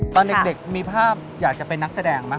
ตอนเด็กมีภาพอยากจะเป็นนักแสดงไหม